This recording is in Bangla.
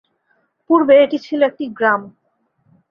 পূর্বে এটি ছিল একটি গ্রাম।